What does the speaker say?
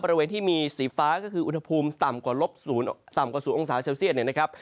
บริเวณที่มีสีฟ้าก็คืออุณหภูมิต่ำกว่า๐องศาเซลเซลเซียนนะครับ